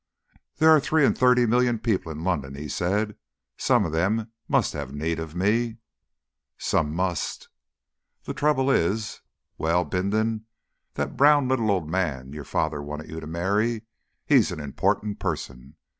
"There are three and thirty million people in London," he said: "some of them must have need of me." "Some must." "The trouble is ... Well Bindon, that brown little old man your father wanted you to marry. He's an important person....